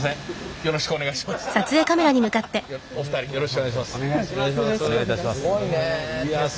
よろしくお願いします。